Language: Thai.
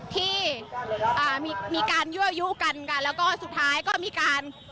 ที่อ่ามีการยั่วยุกันกันแล้วก็สุดท้ายก็มีการ